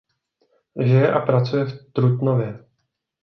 Žije a pracuje v Trutnově.